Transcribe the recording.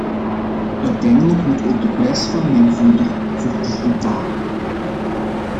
Uiteindelijk moet ook de prijs van mengvoeder voor dieren dalen.